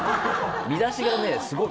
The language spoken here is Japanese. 見出しがすごい。